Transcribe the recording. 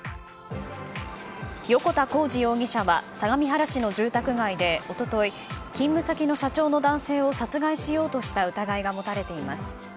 横田光司容疑者は相模原市の住宅街で一昨日、勤務先の社長の男性を殺害しようとした疑いが持たれています。